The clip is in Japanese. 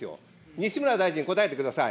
西村大臣、答えてください。